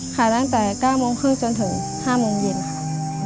ตั้งแต่๙โมงครึ่งจนถึง๕โมงเย็นค่ะ